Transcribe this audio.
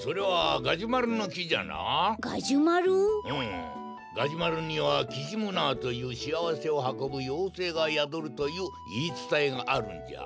ガジュマルにはキジムナーというしあわせをはこぶようせいがやどるといういいつたえがあるんじゃ。